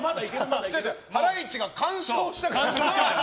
ハライチが完勝したから。